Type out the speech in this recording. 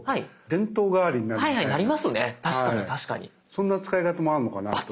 そんな使い方もあるのかなと。